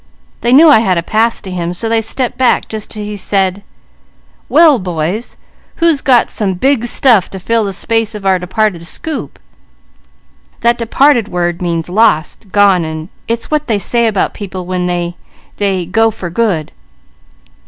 They knew I had a pass to him, so they stepped back just as he said: 'Well boys, who's got some big stuff to fill the space of our departed scoop?' That 'departed' word means lost, gone, and it's what they say about people when they they go for good.